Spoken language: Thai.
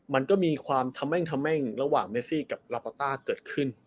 มันก็มีความทำแม้งทำแม้งระหว่างเมซิกับรับประตาเกิดขึ้น